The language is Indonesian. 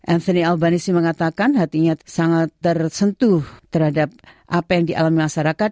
antri albanisi mengatakan hatinya sangat tersentuh terhadap apa yang dialami masyarakat